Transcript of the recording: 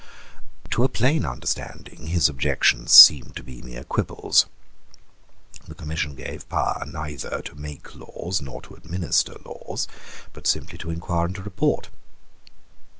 To a plain understanding his objections seem to be mere quibbles. The commission gave power neither to make laws nor to administer laws, but simply to inquire and to report.